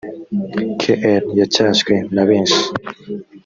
kr yacyashywe na benshi